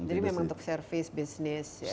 jadi memang untuk service business